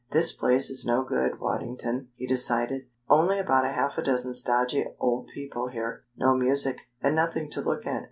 "This place is no good, Waddington," he decided. "Only about half a dozen stodgy old people here, no music, and nothing to look at.